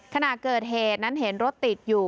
ขณะเกิดเหตุนั้นเห็นรถติดอยู่